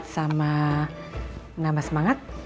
sama nambah semangat